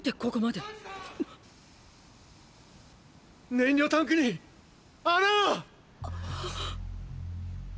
燃料タンクに穴が！！